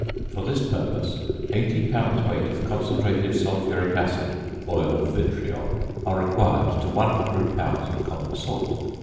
For this purpose 80 pounds weight of concentrated sulphuric acid (oil of vitriol) are required to 100 pounds of common salt.